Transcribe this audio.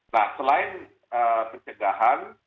nah selain pencegahan